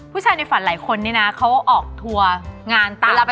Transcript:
ผู้ชายในฝันหลายคนเขาออกทัวร์งานต่างจังหวัด